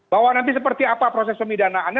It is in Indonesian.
bahwa nanti seperti apa proses pemidanaannya